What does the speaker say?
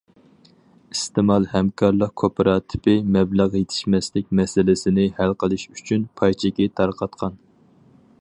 ئىستېمال ھەمكارلىق كوپىراتىپى مەبلەغ يېتىشمەسلىك مەسىلىسىنى ھەل قىلىش ئۈچۈن پاي چېكى تارقاتقان.